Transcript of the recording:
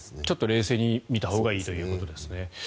ちょっと冷静に見たほうがいいということですね。